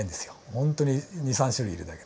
ほんとに２３種類いるだけで。